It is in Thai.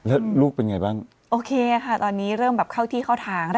แล้วลูกเป็นไงบ้างโอเคค่ะตอนนี้เริ่มแบบเข้าที่เข้าทางแล้ว